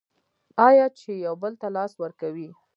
آیا چې یو بل ته لاس ورکوي؟